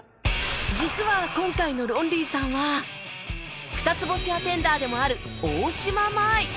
実は今回のロンリーさんは２つ星アテンダーでもある大島麻衣